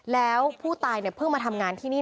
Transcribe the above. แล้วผู้ตายเนี่ยเพิ่งมาทำงานที่นี่